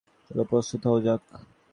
চলো, প্রস্তুত হওয়া যাক।